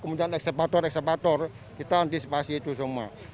ada eksempator eksempator kita antisipasi itu semua